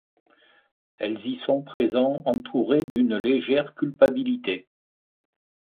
Elles y sont présents, entourées d’une légère culpabilité.